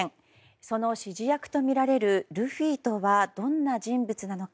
その指示役とみられるルフィとはどんな人物なのか。